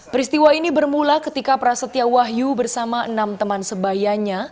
peristiwa ini bermula ketika prasetya wahyu bersama enam teman sebayanya